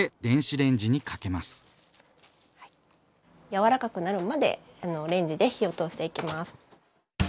やわらかくなるまでレンジで火を通していきます。